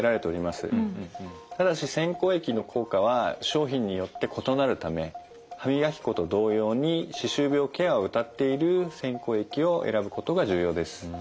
ただし洗口液の効果は商品によって異なるため歯磨き粉と同様に歯周病ケアをうたっている洗口液を選ぶことが重要です。